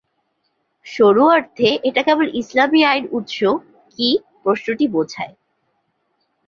সরু অর্থে, এটা কেবল ইসলামী আইন উৎস কি প্রশ্নটি বোঝায়।